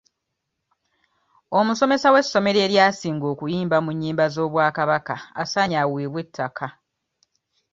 Omusomesa w'essomero eryasinga okuyimba mu nnyimba z'obwakabaka asaanye aweebwe ettaka.